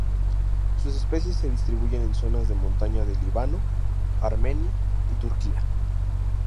Sus especies se distribuyen en zonas de montaña de Líbano, Armenia y Turquía.